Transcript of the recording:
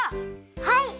はい！